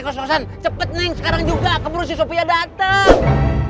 kos kosan cepet neng sekarang juga keburu si sophia datang